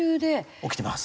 起きてます。